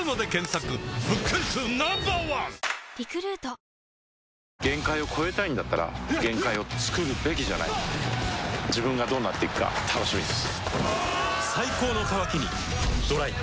「ビオレ」限界を越えたいんだったら限界をつくるべきじゃない自分がどうなっていくか楽しみです